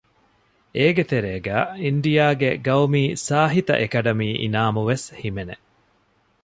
އޭގެ ތެރޭގައި އިންޑިއާގެ ގައުމީ ސާހިތަ އެކަޑަމީ އިނާމު ވެސް ހިމެނެ